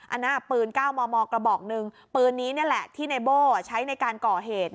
อันนั้นปืน๙มมกระบอกหนึ่งปืนนี้นี่แหละที่ในโบ้ใช้ในการก่อเหตุ